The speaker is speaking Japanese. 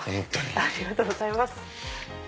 ありがとうございます。